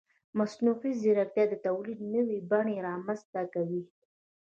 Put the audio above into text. مصنوعي ځیرکتیا د تولید نوې بڼې رامنځته کوي.